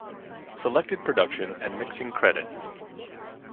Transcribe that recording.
Selected production and mixing credits